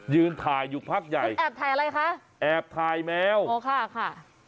ยืนถ่ายอยู่พักใหญ่แอบถ่ายอะไรคะแอบถ่ายแมวอ๋อค่ะค่ะ